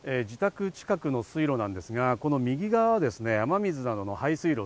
自宅近くの水路なんですが、この右側ですね、雨水などの排水路。